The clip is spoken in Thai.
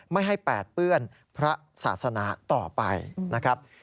ไม่ให้แปดเปื้อนพระศาสนาต่อไปนะครับ